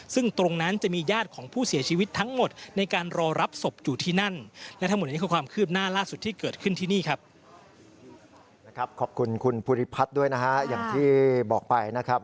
ภูริพัฒน์ด้วยนะครับอย่างที่บอกไปนะครับ